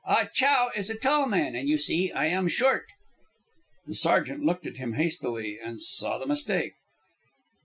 Ah Chow is a tall man, and you see I am short." The sergeant looked at him hastily and saw the mistake.